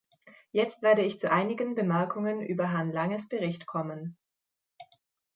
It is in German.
Jetzt werde ich zu einigen Bemerkungen über Herrn Langes Bericht kommen.